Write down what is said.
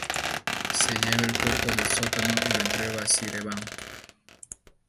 Se lleva el cuerpo del sótano y lo entrega a Sir Evan.